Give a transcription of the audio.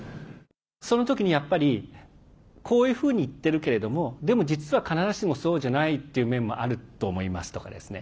その時に、やっぱりこういうふうに言ってるけれどもでも実は必ずしもそうじゃないという面もあると思いますとかですとかね